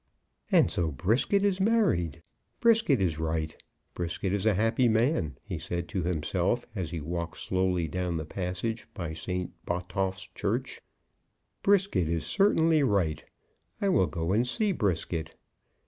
"And so Brisket is married. Brisket is right. Brisket is a happy man," he said to himself, as he walked slowly down the passage by St. Botolph's Church. "Brisket is certainly right; I will go and see Brisket."